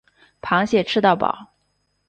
螃蟹吃到饱